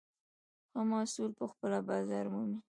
ښه محصول پخپله بازار مومي.